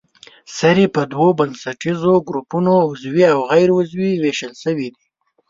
سرې په دوو بنسټیزو ګروپونو عضوي او غیر عضوي ویشل شوې دي.